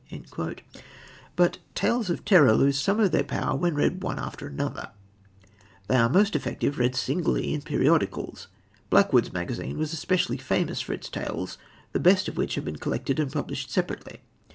But "tales of terror" lose some of their power when read one after another; they are most effective read singly in periodicals. Blackwood's Magazine was especially famous for its tales, the best of which have been collected and published separately.